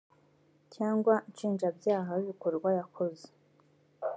cyangwa nshinjabyaha bw ibikorwa yakoze